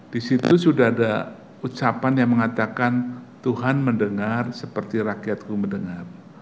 di situ sudah ada ucapan yang mengatakan tuhan mendengar seperti rakyatku mendengar